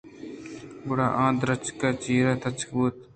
گڑا آ درچک ءِ چیر ءَ تچک بُوت۔